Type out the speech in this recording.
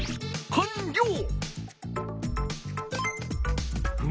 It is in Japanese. かんりょう！